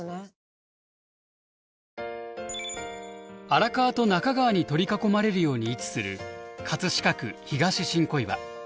荒川と中川に取り囲まれるように位置する飾区東新小岩。